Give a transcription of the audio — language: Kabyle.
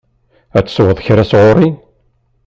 Ad tesweḍ kra sɣur-i?